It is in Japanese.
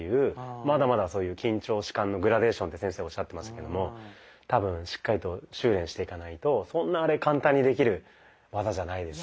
まだまだ「緊張弛緩のグラデーション」って先生おっしゃってましたけども多分しっかりと修練していかないとそんな簡単にできる技じゃないですね。